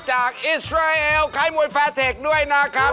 อิสราเอลค่ายมวยแฟร์เทคด้วยนะครับ